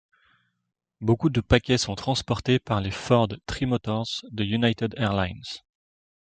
Beaucoup de paquets sont transportés par les Ford Trimotors de United Airlines.